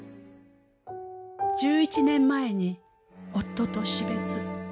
１１年前に夫と死別。